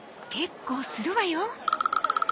結構するわよ。